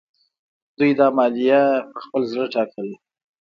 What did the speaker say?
دوی دا مالیه په خپل زړه ټاکله.